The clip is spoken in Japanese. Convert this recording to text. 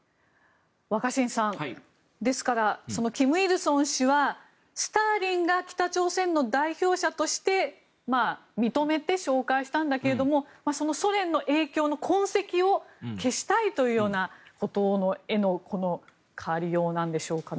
若新さん、ですから金日成氏はスターリンが北朝鮮の代表者として認めて紹介したんだけれどもソ連の影響の痕跡を消したいということの絵の変わりようなんでしょうか。